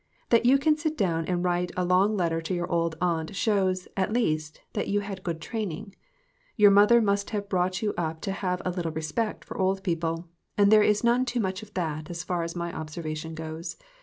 That you can sit down and write a long letter to your old aunt shows, at least, that you had good training. Your mother must have brought you up to have a little respect for old people, and there is none too much of that, as far as my observation goes.